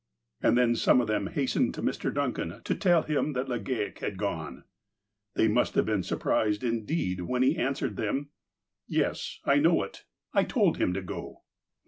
And then some of them hastened to Mr. Duncan to tell him that Legale had gone. They must have been surprised indeed when he an swered them :*' Yes, I know it. I told him to go."